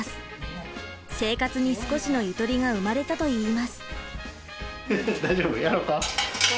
生活に少しのゆとりが生まれたと言います。